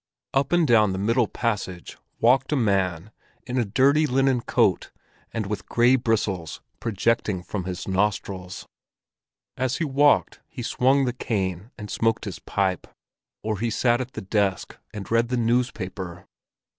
Up and down the middle passage walked a man in a dirty linen coat and with gray bristles projecting from his nostrils. As he walked he swung the cane and smoked his pipe; or he sat at the desk and read the newspaper.